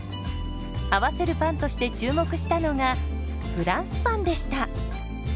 合わせるパンとして注目したのがフランスパンでした。